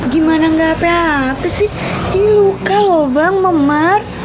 gimana gak apa apa sih ini luka loh bang memar